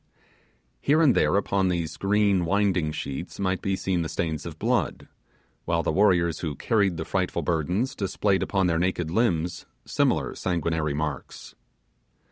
Here and there upon these green winding sheets might be seen the stains of blood, while the warriors who carried the frightful burdens displayed upon their naked limbs similar sanguinary marks.